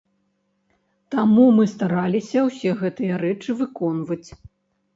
Таму мы стараліся ўсе гэтыя рэчы выконваць.